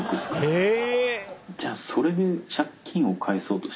へぇ。